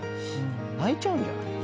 泣いちゃうんじゃない？